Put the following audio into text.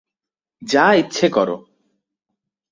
যা ইচ্ছে কর।